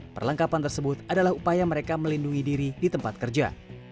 perlengkapan tersebut adalah upaya mereka melindungi diri di tempat kerja